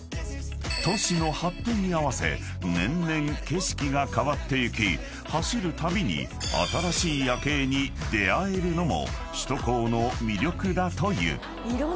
［都市の発展に合わせ年々景色が変わってゆき走るたびに新しい夜景に出合えるのも首都高の魅力だという］